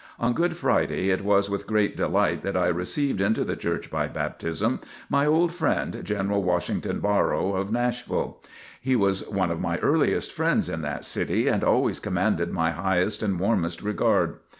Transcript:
On Good Friday it was with great delight that I received into the Church by baptism, my old friend General Washington Barrow, of Nashville. He was one of my earliest friends in that city and always commanded my highest and warmest regard.